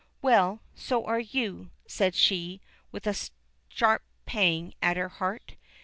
"Well, so are you," said she, with a sharp pang at her heart.